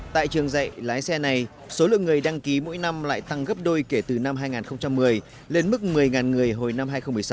tại trường dạy lái xe này số lượng người đăng ký mỗi năm lại tăng gấp đôi kể từ năm hai nghìn một mươi lên mức một mươi người hồi năm hai nghìn một mươi sáu